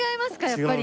やっぱり。